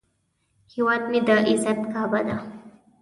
هیواد مې د عزت کعبه ده